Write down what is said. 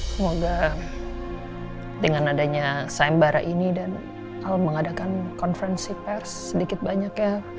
semoga dengan adanya sayembara ini dan mengadakan konferensi pers sedikit banyak ya